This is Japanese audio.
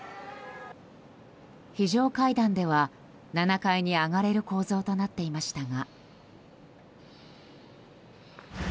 非常階段では７階に上がれる構造となっていましたが。